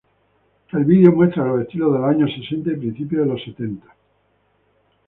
El video muestra los estilos de los años sesenta y principios de los setenta.